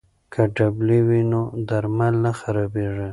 که ډبلي وي نو درمل نه خرابېږي.